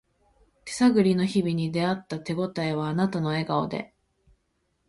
手探りの日々に出会った手ごたえはあなたの笑顔で